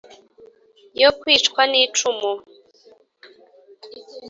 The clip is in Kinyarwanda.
yo kicwa n'icumu